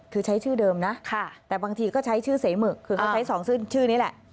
คือใช้ชื่อเดิมนะแต่บางทีก็ใช้ชื่อเสมึกคือเขาใช้สองชื่อนี้แหละ